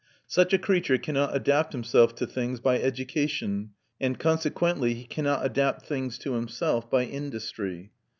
Such a creature cannot adapt himself to things by education, and consequently he cannot adapt things to himself by industry.